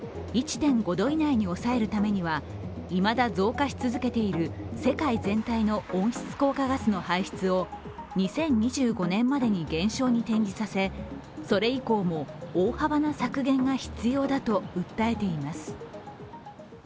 １．５度以内に抑えるためにはいまだ増加し続けている世界全体の温室効果ガスの排出を２０２５年までに減少に転じさせそれ以降も大幅な削減が必要だと訴えています。